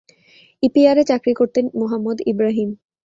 ইপিআরে চাকরি করতেন মোহাম্মদ ইব্রাহিম।